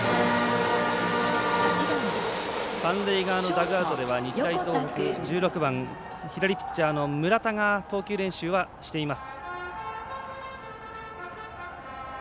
三塁側のダグアウトでは１６番、左ピッチャーの村田が投球練習はしています。